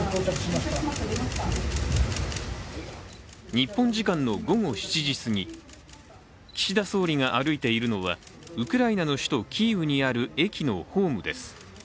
日本時間の午後７時過ぎ、岸田総理が歩いているのは、ウクライナの首都キーウにある駅のホームです。